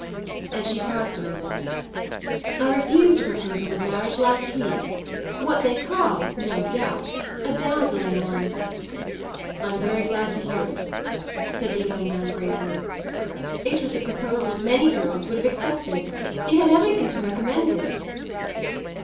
And she paused a moment. "I refused a proposal of marriage last week; what they call no doubt a dazzling one." "I'm very glad to hear it," said the young man gravely. "It was a proposal many girls would have accepted; it had everything to recommend it."